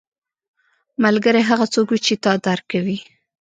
ملګری هغه څوک وي چې تا درک کوي